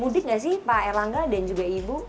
mudik nggak sih pak erlangga dan juga ibu